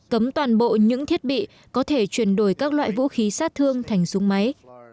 cấm toàn bộ những thiết bị có thể chuyển đổi các loại vũ khí sát thương thành súng máy